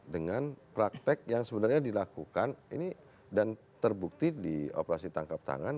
dengan praktek yang sebenarnya dilakukan dan terbukti di operasi tangkap tangan